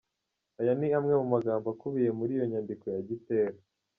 Aya ni amwe mu magambo akubiye muri iyo Nyandiko ya Gitera.